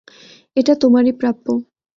এটা তোমারই প্রাপ্য।